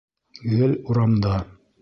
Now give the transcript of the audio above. Гел урамда.